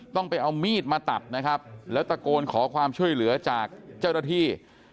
ต้องไปเอามีดมาตัดนะครับแล้วตะโกนขอความช่วยเหลือจากเจ้าหน้าที่